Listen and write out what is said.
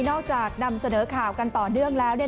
นอกจากนำเสนอข่าวกันต่อเรื่องแล้ว